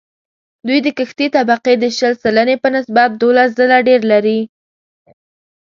دوی د کښتې طبقې د شل سلنې په نسبت دوولس ځله ډېر لري